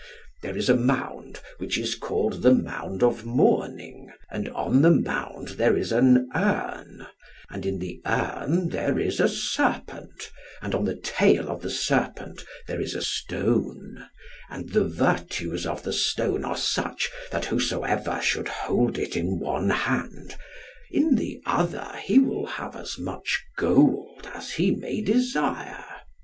There is a mound, which is called the Mound of Mourning; and on the mound there is a earn, and in the earn there is a serpent, and on the tail of the serpent there is a stone, and the virtues of the stone are such, that whosoever should hold it in one hand, in the other he will have as much gold as he may desire.